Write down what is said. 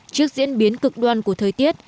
trước diễn biến cực đoan của thời tiết